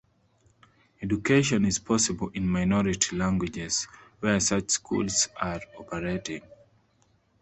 Education is possible in minority languages where such schools are operating.